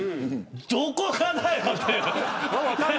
どこがだよって。